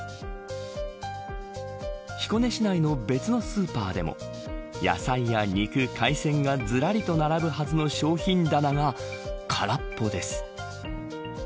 彦根市内の別のスーパーでも野菜や肉、海鮮がずらりと並ぶはずの商品棚が空っぽです。